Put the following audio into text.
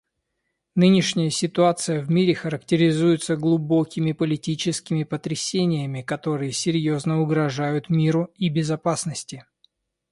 Нынешняя ситуация в мире характеризуется глубокими политическими потрясениями, которые серьезно угрожают миру и безопасности.